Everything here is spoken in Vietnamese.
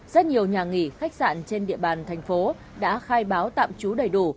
rất nhiều nhà nghỉ khách sạn trên địa bàn thành phố đã khai báo tạm trú đầy đủ